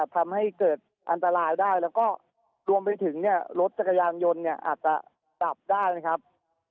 ทำให้เกิดอันตรายได้แล้วก็รวมไปถึงเนี่ยรถจักรยานยนต์เนี่ยอาจจะดับได้นะครับ